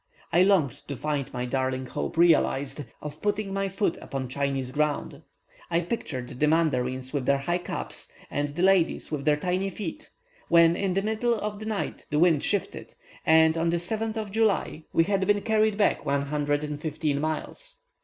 I longed to find my darling hope realized, of putting my foot upon Chinese ground. I pictured the mandarins with their high caps, and the ladies with their tiny feet, when in the middle of the night the wind shifted, and on the 7th of July we had been carried back 115 miles.